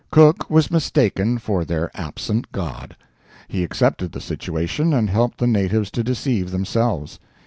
Cook was mistaken for their absent god; he accepted the situation and helped the natives to deceive themselves.